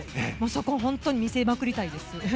そこ、本当に見せまくりたいですね。